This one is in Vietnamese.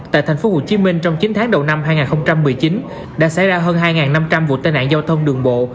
tại thành phố hồ chí minh trong chín tháng đầu năm hai nghìn một mươi chín đã xảy ra hơn hai năm trăm linh vụ tai nạn giao thông đường bộ